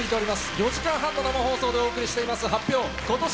４時間半の生放送でお送りしています、発表！